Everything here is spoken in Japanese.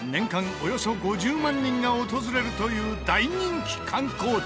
およそ５０万人が訪れるという大人気観光地。